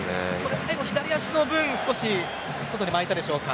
最後左足の分少し外に巻いたでしょうか。